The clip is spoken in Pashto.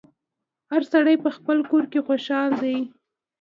هر سړی په خپل کور کي خوشحاله دی